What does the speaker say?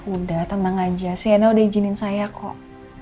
udah tenang aja sienna udah izinin saya kok